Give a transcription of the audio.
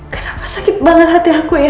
kenapa sakit banget hati aku ya